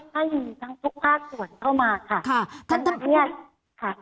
ใช่ทั้งหมดเลยเพราะว่าให้มีทั้งทุกภาคส่วนเข้ามาค่ะ